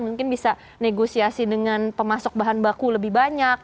mungkin bisa negosiasi dengan pemasok bahan baku lebih banyak